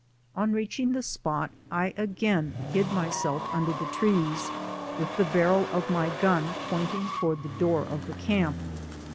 On reaching the spot I again hid myself under the trees, with the barrel of my gun pointing toward the door of the camp.